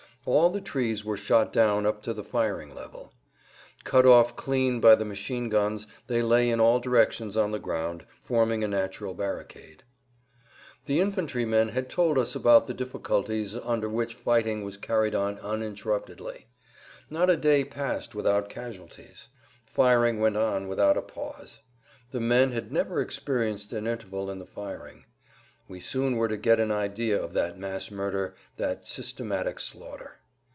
All the trees were shot down up to the firing level. Cut off clean by the machine guns they lay in all directions on the ground, forming a natural barricade. The infantrymen had told us about the difficulties[Pg 150] under which fighting was carried on uninterruptedly. Not a day passed without casualties. Firing went on without a pause. The men had never experienced an interval in the firing. We soon were to get an idea of that mass murder, that systematic slaughter.